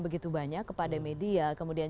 begitu banyak kepada media kemudian